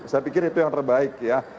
saya pikir itu yang terbaik ya